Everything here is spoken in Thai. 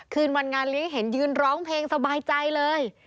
คืนวันงานเลี้ยงเห็นยืนร้องเพลงสบายใจเลย